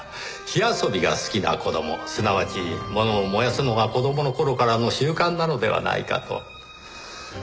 火遊びが好きな子供すなわち物を燃やすのが子供の頃からの習慣なのではないかと。